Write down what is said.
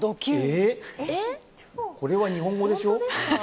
これは日本語でしょ？